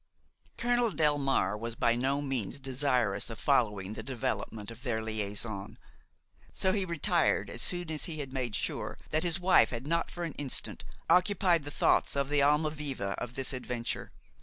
Colonel Delmare was by no means desirous of following the development of their liaison; so he retired as soon as he had made sure that his wife had not for an instant occupied the thoughts of the Almaviva of this adventure.